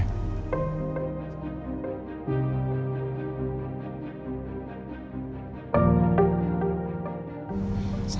terima kasih banyak ya